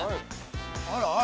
◆あらあら。